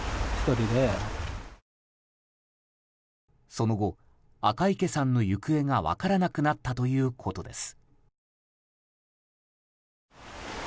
その後、赤池さんの行方が分からなくなったということです。